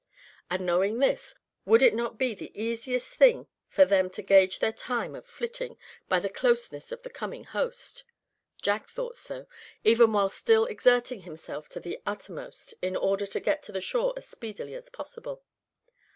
And knowing this, would it not be the easiest thing for them to gauge their time of flitting by the closeness of the coming host? Jack thought so, even while still exerting himself to the uttermost in order to get to the shore as speedily as possible.